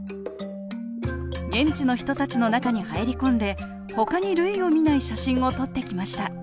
現地の人たちの中に入り込んでほかに類を見ない写真を撮ってきました